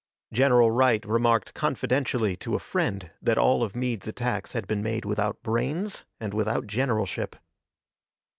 General Wright remarked confidentially to a friend that all of Meade's attacks had been made without brains and without generalship.